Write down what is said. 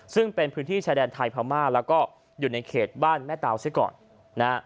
ซึ่งเป็นพื้นที่แชดดันไทยภามาและก็อยู่ในเขตบ้านแม่ตาวซิก่อน